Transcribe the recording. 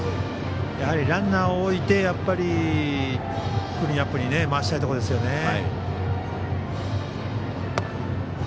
やはりランナーを置いてクリーンアップに回したいところですね。